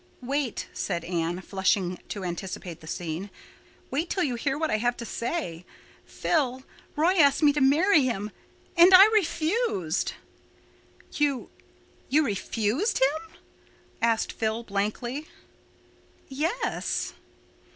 "Wait," said Anne, flushing to anticipate the scene. "Wait til you hear what I have to say. Phil, Roy asked me to marry him and I refused." "You—you refused him?" said Phil blankly. "Yes."